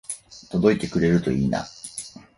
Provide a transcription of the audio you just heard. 届いてくれるといいな